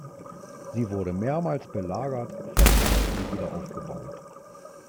Sie wurde mehrmals belagert, verbrannt und wieder aufgebaut.